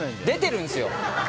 出てるんですよ！